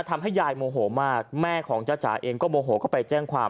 ทำให้ยายโมโหมากแม่ของจ้าจ๋าเองก็โมโหก็ไปแจ้งความ